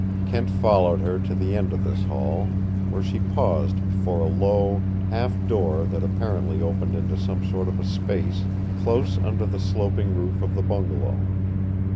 Kent followed her to the end of this hall, where she paused before a low half door that apparently opened into some sort of a space close under the sloping roof of the bungalow.